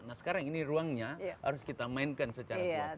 nah sekarang ini ruangnya harus kita mainkan secara kuat